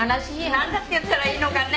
何だって言ったらいいのかね